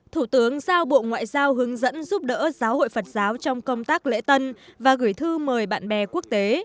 thủ tướng giao bộ ngoại giao hướng dẫn giúp đỡ giáo hội phật giáo trong công tác lễ tân và gửi thư mời bạn bè quốc tế